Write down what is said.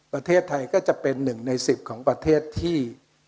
ประเทศไทยก็จะเป็น๑ใน๑๐ของประเทศที่